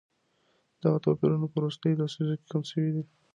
دغه توپيرونه په وروستيو لسيزو کي کم سوي دي.